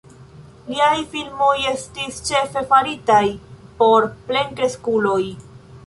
Liaj filmoj estis ĉefe faritaj por plenkreskuloj.